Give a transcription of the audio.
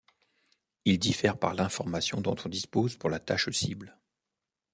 Ils diffèrent par l'information dont on dispose pour la tâche cible.